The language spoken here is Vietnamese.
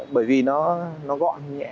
bởi vì nó gọn nhẹ